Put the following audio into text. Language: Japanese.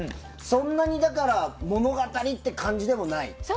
そんなに物語って感じでもない？